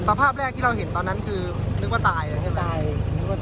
ภาพแรกที่เราเห็นตอนนั้นคือนึกว่าตายเลยใช่ไหม